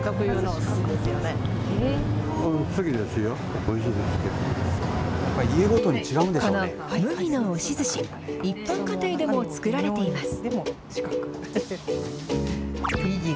この牟岐の押しずし、一般家庭でも作られています。